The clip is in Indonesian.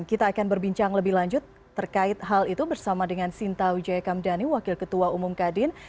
kita akan berbincang lebih lanjut terkait hal itu bersama dengan sinta wijaya kamdani wakil ketua umum kadin